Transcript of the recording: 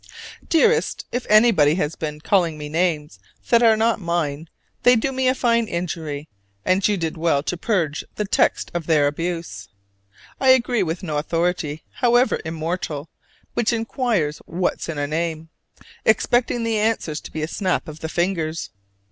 Dearest: If anybody has been "calling me names" that are not mine, they do me a fine injury, and you did well to purge the text of their abuse. I agree with no authority, however immortal, which inquires "What's in a name?" expecting the answer to be a snap of the fingers.